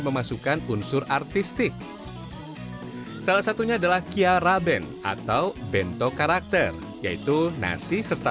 memasukkan unsur artistik salah satunya adalah kiara ben atau bento karakter yaitu nasi serta